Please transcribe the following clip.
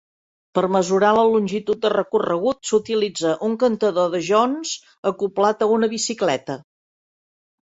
Per mesurar la longitud de recorregut s'utilitza un cantador de Jones acoblat a una bicicleta.